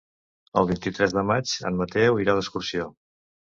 El vint-i-tres de maig en Mateu irà d'excursió.